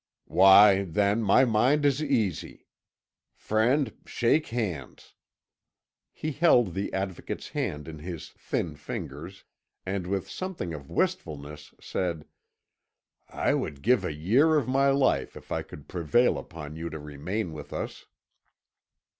"Why, then, my mind is easy. Friend, shake hands." He held the Advocate's hand in his thin fingers, and with something of wistfulness, said: "I would give a year of my life if I could prevail upon you to remain with us."